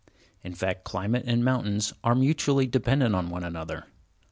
In fact, climate and mountains are mutually dependent one on the other.